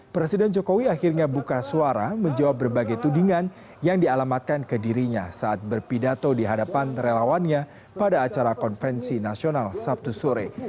presiden jokowi akhirnya buka suara menjawab berbagai tudingan yang dialamatkan ke dirinya saat berpidato di hadapan relawannya pada acara konvensi nasional sabtu sore